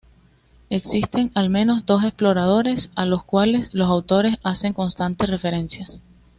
Existen al menos dos exploradores a los cuales los autores hacen constantes referencias.